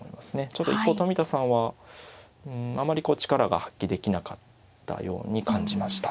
ちょっと一方冨田さんはうんあまりこう力が発揮できなかったように感じました。